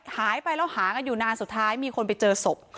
หายไปแล้วหากันอยู่นานสุดท้ายมีคนไปเจอศพ